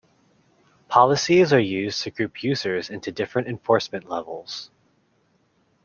Policies are used to group users into different enforcement levels.